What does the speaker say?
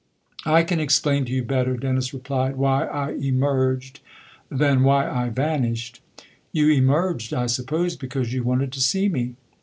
" I can explain to you better," Dennis replied, " why I emerged than why I vanished." " You emerged, I suppose, because you wanted to see me."